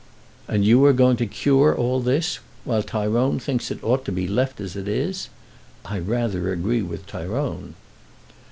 "And you are going to cure all this; while Tyrone thinks it ought to be left as it is? I rather agree with Tyrone."